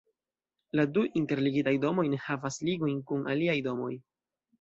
La du interligitaj domoj ne havas ligojn kun aliaj domoj.